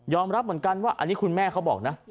รับเหมือนกันว่าอันนี้คุณแม่เขาบอกนะ